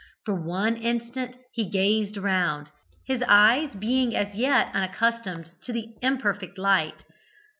For one instant he gazed round, his eyes being as yet unaccustomed to the imperfect light.